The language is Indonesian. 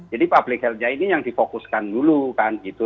jadi public healthnya ini yang difokuskan dulu kan gitu